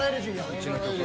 うちの曲。